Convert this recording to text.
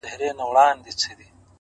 د سترگو د ملا خاوند دی؛